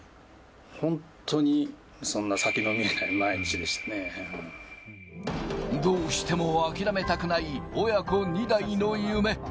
本当に、そんな先の見えない毎日どうしても諦めたくない、親子２代の夢。